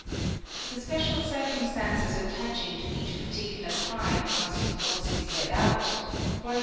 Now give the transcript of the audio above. The special circumstances attaching to each particular crime must of course be set out, e.g.